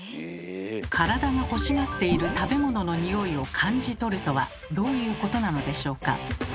体が欲しがっている食べ物の匂いを感じとるとはどういうことなのでしょうか？